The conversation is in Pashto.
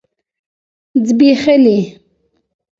ځبيښلي